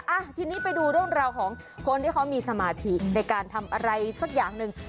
อ่ะทีนี้ไปดูเรื่องราวของคนที่เขามีสมาธิในการทำอะไรสักอย่างหนึ่ง